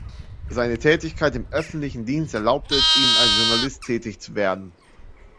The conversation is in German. Seine Tätigkeit im öffentlichen Dienst erlaubte es ihm, als Journalist tätig zu werden.